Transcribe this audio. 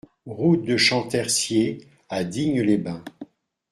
Route de Champtercier à Digne-les-Bains